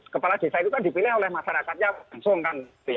kepala desa itu kan dipilih oleh masyarakatnya langsung kan